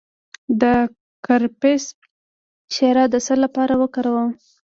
د کرفس شیره د څه لپاره وکاروم؟